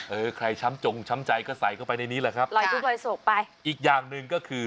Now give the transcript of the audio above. เออใครช้ำจงช้ำใจก็ใส่เข้าไปในนี้แหละครับลอยทุกรอยโศกไปอีกอย่างหนึ่งก็คือ